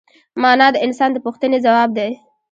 مانا د انسان د پوښتنې ځواب دی.